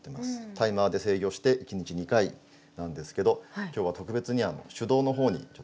タイマーで制御して１日２回なんですけど今日は特別に「手動」のほうにちょっと切り替えて下さい。